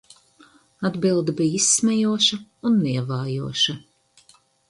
Atbilde bija izsmejoša un nievājoša.